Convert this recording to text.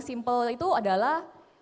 simple itu adalah